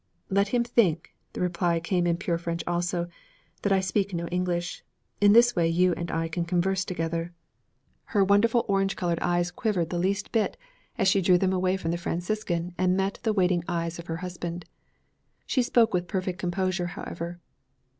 'Let him think' the reply came in pure French also 'that I speak no English. In this way you and I can converse together.' Her wonderful orange colored eyes quivered the least bit as she drew them away from the Franciscan and met the waiting eyes of her husband. She spoke with perfect composure, however.